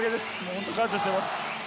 本当に感謝しています。